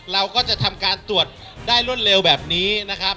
เราก็จะทำการตรวจได้รวดเร็วแบบนี้นะครับ